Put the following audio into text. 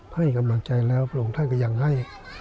ให้กำลังใจแล้วพระองค์ท่านก็ยังให้